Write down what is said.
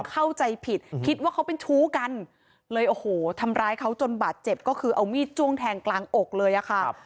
เข้าใจผิดคิดว่าเขาเป็นชู้กันเลยโอ้โหทำร้ายเขาจนบาดเจ็บก็คือเอามีดจ้วงแทงกลางอกเลยอะค่ะ